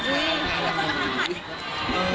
เซบลุน